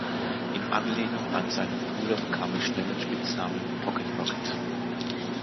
In Anlehnung an seinen Bruder bekam er schnell den Spitznamen „Pocket Rocket“.